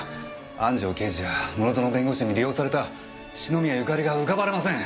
安城刑事や室園弁護士に利用された篠宮ゆかりが浮かばれません。